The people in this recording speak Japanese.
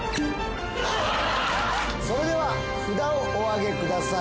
それでは札をおあげください